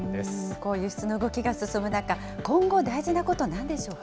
こういう輸出の動きが進む中、今後、大事なことなんでしょうか。